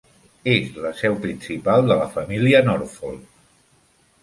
És la seu principal de la família Norfolk.